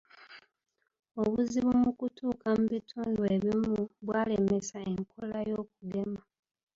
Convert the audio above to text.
Obuzibu mu kutuuka mu bitundi ebimu bwalemesa enkola y'okugema.